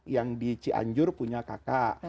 yang di cianjur punya kakak